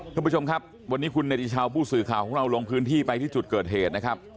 คุณผู้ชมครับวันนี้คุณเนติชาวผู้สื่อข่าวของเราลงพื้นที่ไปที่จุดเกิดเหตุนะครับ